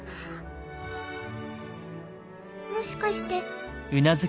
もしかして。